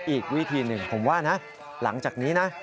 อีกวิธีหนึ่งผมว่านะหลังจากนี้นะ